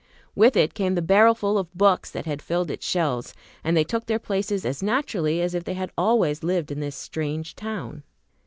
With it came the barrel full of books that had filled its shelves, and they took their places as naturally as if they had always lived in this strange town.